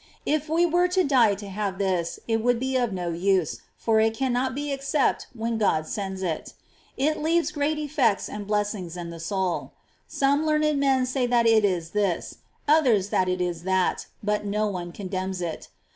If we were to die to have this, it would be of no use, for it cannot be except when God sends it. It leaves great effects and blessings in the soul. Some learned men say that it is this, others that it is that, but no one condemns it.